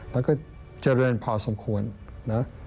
มันก็เจริญพอสมควรนะ